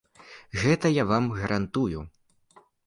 Гэта я вам гарантую.